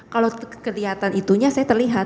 kalau kelihatan itunya saya terlihat